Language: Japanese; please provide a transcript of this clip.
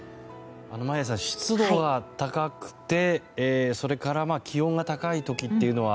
眞家さん、湿度は高くてそれから気温が高い時っていうのは